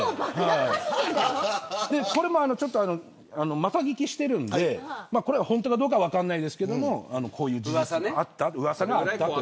また聞きしてるんで本当かどうか分からないですけどこういううわさがあった。